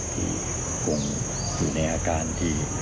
ที่คงอยู่ในอาการที่